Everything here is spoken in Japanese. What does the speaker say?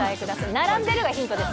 並んでるがヒントです。